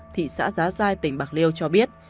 thị xã giá giai tỉnh bạc liêu cho biết